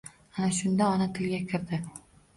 Ana shunda, ona tilga kirdi.